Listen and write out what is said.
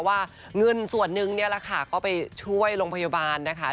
ว่าเงินส่วนนึงเนี่ยแหละค่ะก็ไปช่วยโรงพยาบาลนะคะ